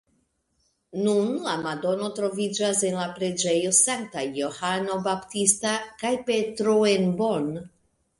Nun la madono troviĝas en la preĝejo Sanktaj Johano Baptista kaj Petro en Bonn.